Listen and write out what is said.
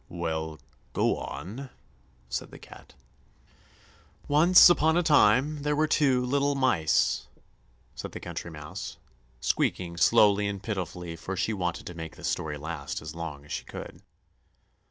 "Well, go on," said the cat. "Once upon a time there were two little mice," said the Country Mouse, squeaking slowly and pitifully, for she wanted to make the story last as long as she could.